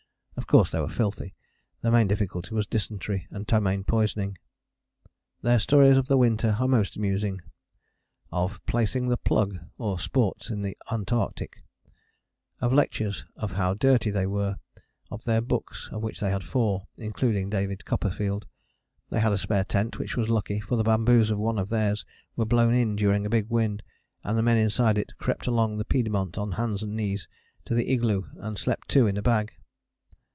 Of course they were filthy. Their main difficulty was dysentery and ptomaine poisoning. Their stories of the winter are most amusing of "Placing the Plug, or Sports in the Antarctic"; of lectures; of how dirty they were; of their books, of which they had four, including David Copperfield. They had a spare tent, which was lucky, for the bamboos of one of theirs were blown in during a big wind, and the men inside it crept along the piedmont on hands and knees to the igloo and slept two in a bag.